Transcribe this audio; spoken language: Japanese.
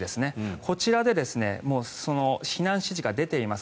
こちらで避難指示が出ています。